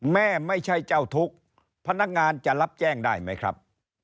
ไม่ใช่เจ้าทุกข์พนักงานจะรับแจ้งได้ไหมครับ